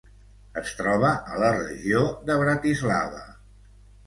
Es troba a la regió de Bratislava.